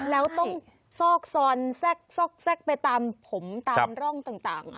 แล้วต้องซอกซอนแซ่กไปตามผมตามร่องต่าง